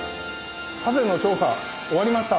ハゼの調査終わりました。